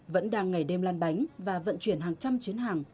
vẫn đang ngày đêm lan bánh và vận chuyển hàng trăm chuyến hàng